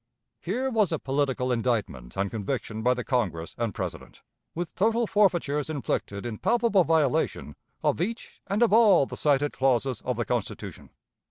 Here was a political indictment and conviction by the Congress and President, with total forfeitures inflicted in palpable violation of each and of all the cited clauses of the Constitution.